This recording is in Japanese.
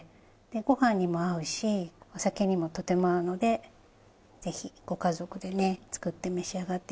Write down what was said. ご飯にも合うしお酒にもとても合うのでぜひご家族でね作って召し上がって頂きたいです。